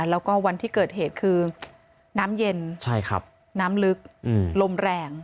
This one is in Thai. แล้วก็วันที่เกิดเหตุคือน้ำเย็นน้ำลึกลมแรง